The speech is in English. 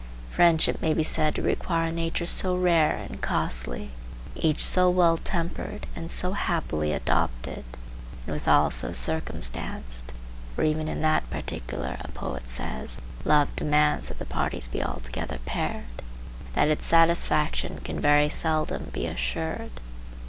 Friendship may be said to require natures so rare and costly, each so well tempered and so happily adapted, and withal so circumstanced (for even in that particular, a poet says, love demands that the parties be altogether paired), that its satisfaction can very seldom be assured.